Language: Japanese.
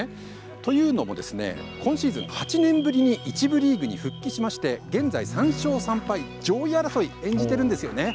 というのも今シーズン８年ぶりに１部リーグに復帰して現在３勝３敗、上位争いを演じているんですよね。